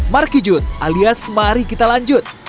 markijut alias mari kita lanjut